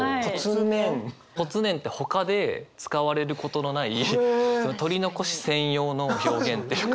「ぽつねん」ってほかで使われることのない取り残し専用の表現っていうか。